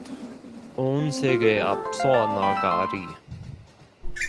온 세계 앞서 나가리